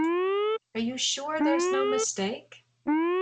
Are you sure there's no mistake?